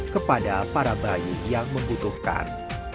kepada para bayi yang membutuhkan